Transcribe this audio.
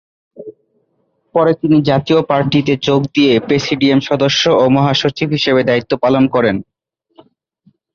পরে তিনি জাতীয় পার্টিতে যোগ দিয়ে প্রেসিডিয়াম সদস্য ও মহাসচিব হিসেবে দায়িত্ব পালন করেন।